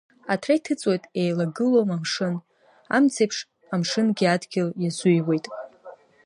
Аҭра иҭыҵуеит, еилагылом амшын, амцеиԥш амшынгьы адгьыл иазыҩуеит.